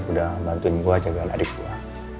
udah bantuin gua jagain adik gua